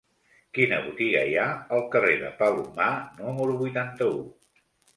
Quina botiga hi ha al carrer de Palomar número vuitanta-u?